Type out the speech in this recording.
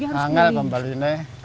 mangkal pembeli nih